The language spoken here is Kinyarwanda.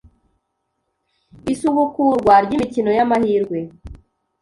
Isubukurwa ry’imikino y’amahirwe